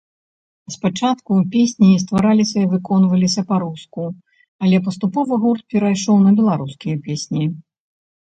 Спачатку песні ствараліся і выконваліся па-руску, але паступова гурт перайшоў на беларускія песні.